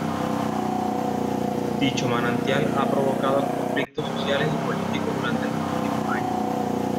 Dicho manantial ha provocado conflictos sociales y políticos durante los últimos años.